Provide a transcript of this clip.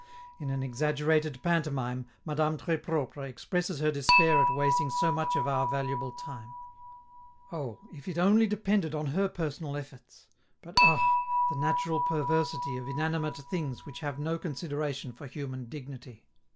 In an exaggerated pantomime, Madame Tres Propre expresses her despair at wasting so much of our valuable time: oh! if it only depended on her personal efforts! but ah! the natural perversity of inanimate things which have no consideration for human dignity!